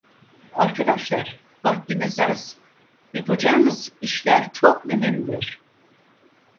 Arkadaşlar, vaktimiz az, yapacağımız işler çok mühimdir.